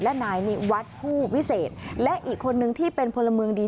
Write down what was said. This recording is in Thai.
และนายนิวัฒน์ผู้วิเศษและอีกคนนึงที่เป็นพลเมืองดี